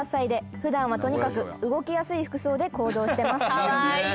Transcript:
「普段はとにかく動きやすい服装で行動してます」